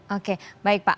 oke baik pak